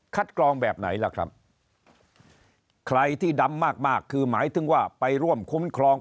กรองแบบไหนล่ะครับใครที่ดำมากมากคือหมายถึงว่าไปร่วมคุ้มครอง